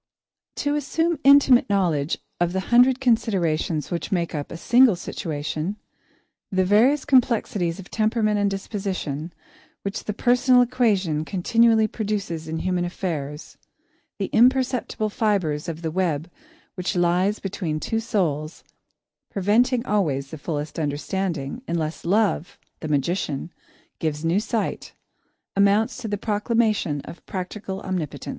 To assume intimate knowledge of the hundred considerations which make up a single situation, the various complexities of temperament and disposition which the personal equation continually produces in human affairs, of the imperceptible fibres of the web which lies between two souls, preventing always the fullest understanding, unless Love, the magician, gives new sight amounts to the proclamation of practical Omnipotence.